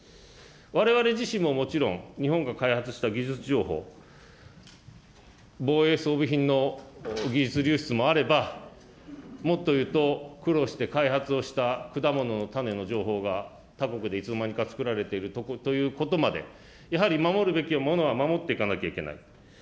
われわれ自身ももちろん、日本が開発した技術情報、防衛装備品の技術流出もあれば、もっと言うと、苦労して開発をした、果物の種の情報が他国でいつの間にか作られているということまで、やはり、守るべきものは守っていかなきゃいけない。